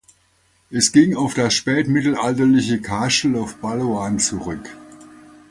Es ging auf das spätmittelalterliche "Castle of Balloan" zurück.